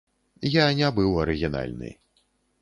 Я не быў арыгінальны.